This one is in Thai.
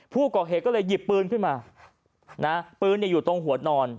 ผู้ก่อเหตุก็เลยหยิบปืนขึ้นมาปืนอยู่ตรงหัวนอน